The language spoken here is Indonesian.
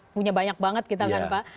punya banyak banget kita kan pak